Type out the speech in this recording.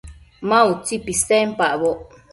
Ma utsi pisenpacboc